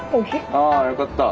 あよかった。